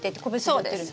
そうです。